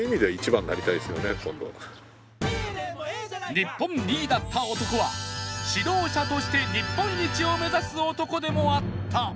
日本２位だった男は指導者として日本一を目指す男でもあった！